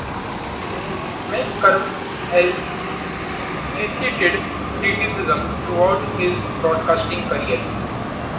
McCarver has elicited criticism throughout his broadcasting career.